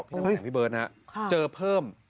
พี่น้องแขวงพี่เบิร์ชนะครับเจอเพิ่ม